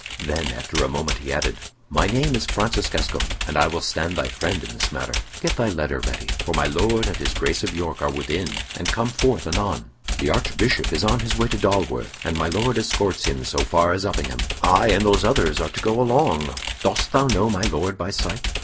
Then, after a moment, he added: "My name is Francis Gascoyne, and I will stand thy friend in this matter. Get thy letter ready, for my Lord and his Grace of York are within and come forth anon. The Archbishop is on his way to Dalworth, and my Lord escorts him so far as Uppingham. I and those others are to go along. Dost thou know my Lord by sight?"